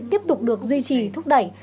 tiếp tục được duy trì thúc đẩy